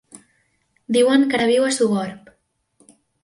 Diuen que ara viu a Sogorb.